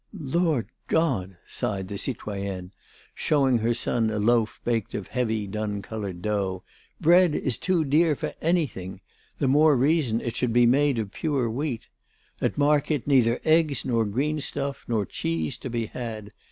"Lord God!" sighed the citoyenne, showing her son a loaf baked of heavy dun coloured dough, "bread is too dear for anything; the more reason it should be made of pure wheat! At market neither eggs nor green stuff nor cheese to be had.